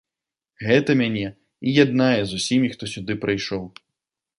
Гэта мяне і яднае з усімі, хто сюды прыйшоў.